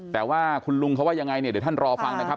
แต่ว่าคุณลุงเขาว่ายังไงเนี่ยเดี๋ยวท่านรอฟังนะครับ